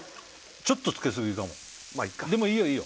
ちょっとつけすぎかもまあいっかでもいいよいいよ